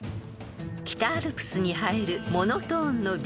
［北アルプスに映えるモノトーンの美］